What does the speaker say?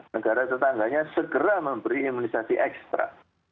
negara tetangganya segera memberi imunisasi ekstra